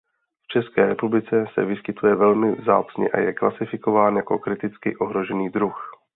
V České republice se vyskytuje velmi vzácně a je klasifikován jako kriticky ohrožený druh.